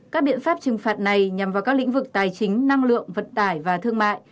các biện pháp trừng phạt này nhằm vào các lĩnh vực tài chính năng lượng vật tải và thương mại